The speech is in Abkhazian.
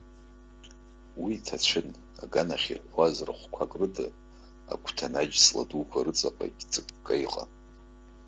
Уи ҭацәын, аганахь иҳәуаз рахәқәак рыда, агәҭаны аџьҵла дуқәа рыҵаҟагьы ҵыкка иҟан.